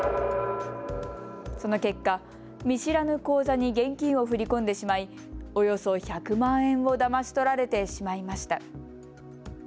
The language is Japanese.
その結果、見知らぬ口座に現金を振り込んでしまいおよそ１００万円をだまし取られてしまいました。